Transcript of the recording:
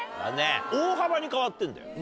大幅に変わってんだよ。